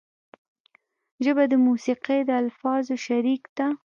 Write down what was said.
ژبه د موسیقۍ د الفاظو شریک ده